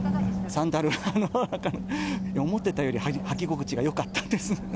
サンダルは思ったより履き心地がよかったです。